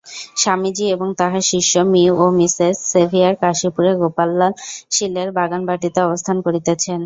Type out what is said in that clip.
স্বামীজী এবং তাঁহার শিষ্য মি ও মিসেস সেভিয়ার কাশীপুরে গোপাললাল শীলের বাগানবাটীতে অবস্থান করিতেছেন।